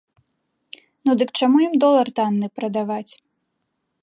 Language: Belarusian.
Ну дык чаму ім долар танны прадаваць?